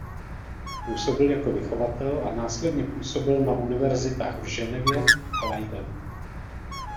Působil jako vychovatel a následně působil na univerzitách v Ženevě a Leiden.